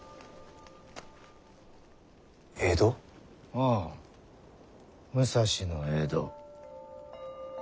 ああ武蔵の江戸。